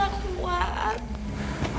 aku gak kuat